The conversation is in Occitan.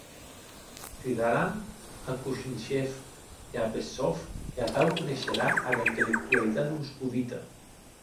Cridaram a Kosnichev e a Peszov e atau coneisherà ara intellectualitat moscovita.